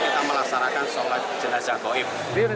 kita melasarkan salat jenazah goib